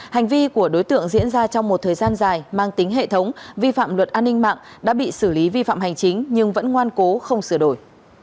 hành vi của đối tượng diễn ra trong một thời gian dài mang tính hệ thống vi phạm luật an ninh mạng đã bị xử lý vi phạm hành chính nhưng vẫn ngoan cố không sửa đổi